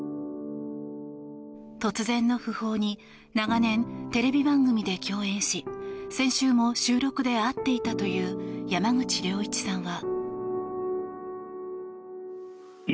突然の訃報に長年テレビ番組で共演し先週も収録で会っていたという山口良一さんは。